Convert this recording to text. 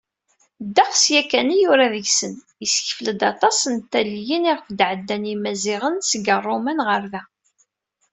Ddeqs yakan i yura deg-sen, yessekfel-d aṭas n talliyin iɣef d-ɛeddan Yimaziɣen seg Ṛṛuman ɣer da.